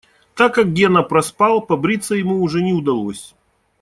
Так как Гена проспал, побриться ему уже не удалось.